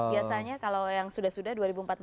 biasanya kalau yang sudah sudah dua ribu empat belas